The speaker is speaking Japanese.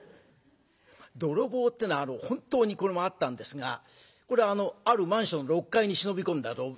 泥棒ってのは本当にこれもあったんですがこれあのあるマンションの６階に忍び込んだ泥棒。